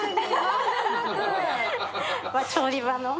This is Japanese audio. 調理場の。